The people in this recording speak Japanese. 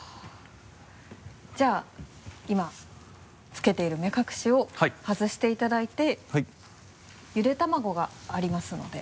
じゃあ今つけている目隠しを外していただいてゆで卵がありますので。